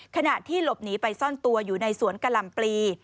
ขณะที่หลบหนีไปซ่อนตัวอยู่ในสวนกะหล่ำปลี